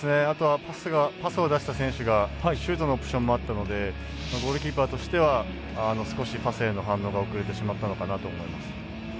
あとはパスを出した選手がシュートのオプションもあったのでゴールキーパーとしては少しパスへの反応が遅れてしまったのかなと思います。